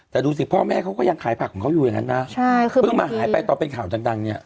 ใช่คือบางทีเพิ่งมาหายไปต่อเป็นข่าวดังเนี่ย